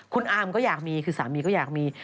คุณอาร์มก็อยากมีคือสามีก็อยากมี